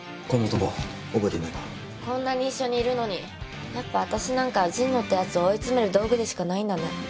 こんなに一緒にいるのにやっぱわたしなんか神野ってやつを追い詰める道具でしかないんだね。